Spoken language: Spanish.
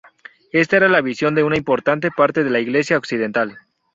Esta era la visión de una importante parte de la Iglesia occidental.